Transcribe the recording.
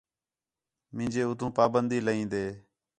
مینجے اُتّوں پابندی لائین٘دے